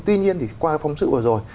tuy nhiên qua phóng sự vừa rồi